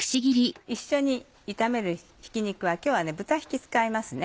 一緒に炒めるひき肉は今日は豚ひき使います。